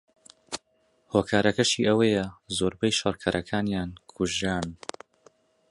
هۆکارەکەشەی ئەوەیە زۆربەی شەڕکەرەکانیان کوژران